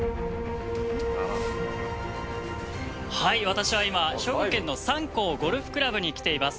◆はい、私は今、兵庫県の三甲ゴルフ倶楽部に来ています。